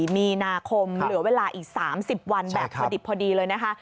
มีนาคมเหลือเวลาอีก๓๐วันแบบพอดิบพอดีเลยนะคะ